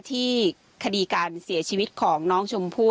ที่คดีการเสียชีวิตของน้องชมพู่